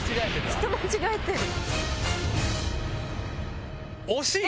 人間違えてる。